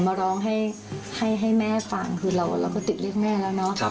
มาล้องให้แม่ฟังเราปกติเรียกแม่แล้วนะ